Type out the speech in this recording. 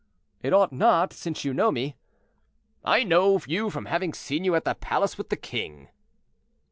"It ought not, since you know me." "I know you from having seen you at the palace with the king."